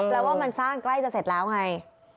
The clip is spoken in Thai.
แปลว่ามันสร้างใกล้จะเสร็จแล้วไง